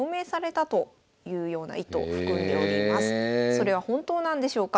それは本当なんでしょうか？